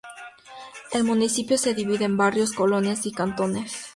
El municipio se divide en Barrios, Colonias y Cantones.